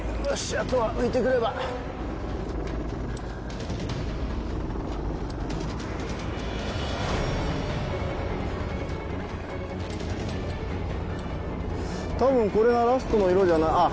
あとは浮いてくればたぶんこれがラストの色じゃあっ